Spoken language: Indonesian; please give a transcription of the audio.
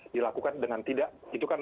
dilakukan dengan tidak itu kan